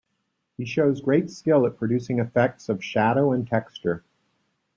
He shows great skill at producing effects of shadow and texture.